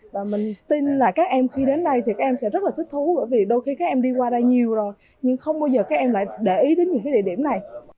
và mình tin là các em khi đến đây thì các em sẽ rất là thích thú bởi vì đôi khi các em đi qua đây nhiều rồi nhưng không bao giờ các em lại để ý đến những cái địa điểm này